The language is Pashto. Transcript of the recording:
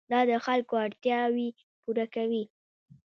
دا د خلکو اړتیاوې پوره کوي.